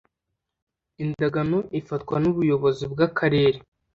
Indagano Ifatwa N Ubuyobozi Bw Akarere